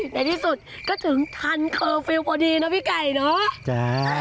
หน่ายที่สุดก็ถึงทันเคอลฟิลโปรดีเนอะพี่ไก่เนอะ